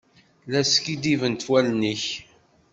La skiddibent wallen-ik.